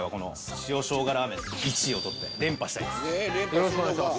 よろしくお願いします。